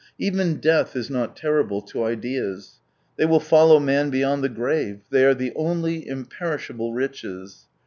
Even death is not terrible to ideas ; they will follow man beyond the grave, they are the only im^ perishable riches.